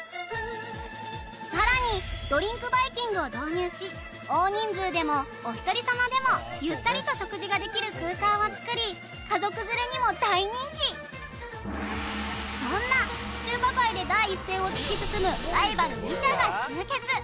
さらにドリンクバイキングを導入し大人数でもおひとりさまでもゆったりと食事ができる空間をつくり家族連れにも大人気そんな中華界で第一線を突き進むライバル２社が集結